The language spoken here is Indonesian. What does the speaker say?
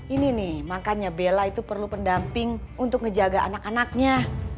ini nih makanya bella itu perlu pendamping untuk ngejaga anak anaknya